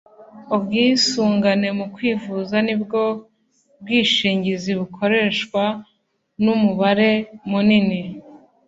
Ubwisungane mu kwivuza nibwo bwishingizi bukoreshwa n umubare munini